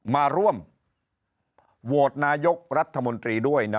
มาร่วมโหวตนายกรัฐมนตรีด้วยนะ